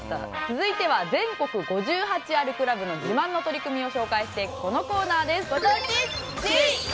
続いては全国５８あるクラブの自慢の取り組みを紹介していくこのコーナーです！